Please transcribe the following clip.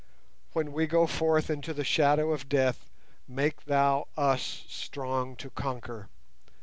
When we go forth into the shadow of death, make Thou us strong to conquer.